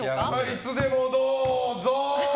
いつでもどうぞ！